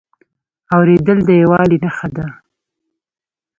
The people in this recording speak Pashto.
اورېدل د یووالي نښه ده.